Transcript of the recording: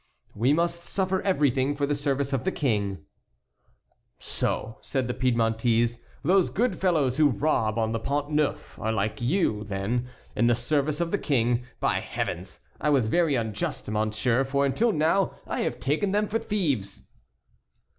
"We must suffer everything for the service of the King." "So," said the Piedmontese, "those good fellows who rob on the Pont Neuf are like you, then, in the service of the King. By Heavens! I was very unjust, monsieur, for until now I have taken them for thieves."